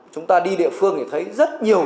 chúng ta đi địa phương thì thấy rất nhiều